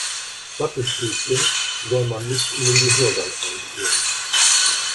Wattestäbchen soll man nicht in den Gehörgang einführen.